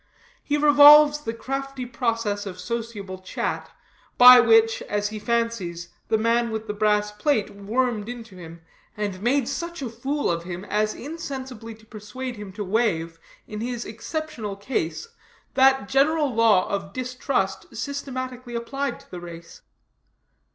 He revolves the crafty process of sociable chat, by which, as he fancies, the man with the brass plate wormed into him, and made such a fool of him as insensibly to persuade him to waive, in his exceptional case, that general law of distrust systematically applied to the race.